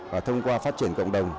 và thông qua phát triển cộng đồng